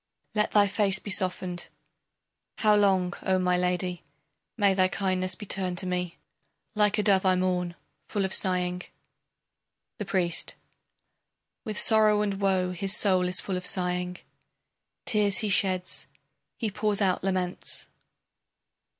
Let thy face be softened! How long, O my lady! May thy kindness be turned to me! Like a dove I mourn, full of sighing. The Priest: With sorrow and woe His soul is full of sighing, Tears he sheds, he pours out laments.